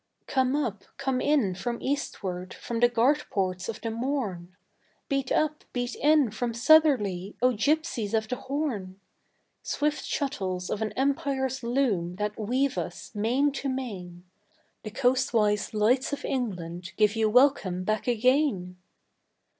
Come up, come in from Eastward, from the guard ports of the Morn! Beat up, beat in from Southerly, O gipsies of the Horn! Swift shuttles of an Empire's loom that weave us main to main, The Coastwise Lights of England give you welcome back again!